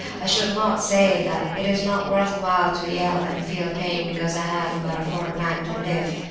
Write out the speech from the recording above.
I should not say that it is not worth while to yell and feel pain because I have but a fortnight to live.